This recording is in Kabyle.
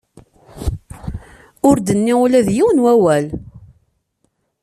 Ur d-tenni ula d yiwen n wawal.